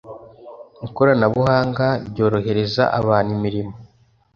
ikoranabuhanga ryorohereza abantu imirimo